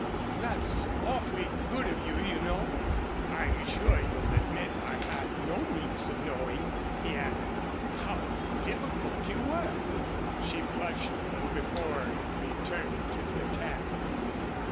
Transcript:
"That's awfully good of you, you know. I'm sure you'll admit I had no means of knowing," he added, "how difficult you were." She flushed a little before returning to the attack.